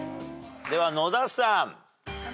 では野田さん。